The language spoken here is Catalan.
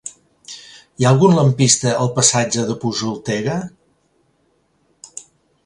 Hi ha algun lampista al passatge de Posoltega?